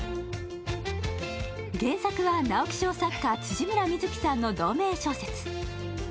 原作は直木賞作家、辻村深月さんの同名小説。